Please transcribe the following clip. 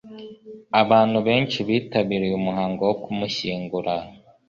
abantu benshi bitabiriye umuhango wo kumushyingura